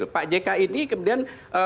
pak jk ini kemudian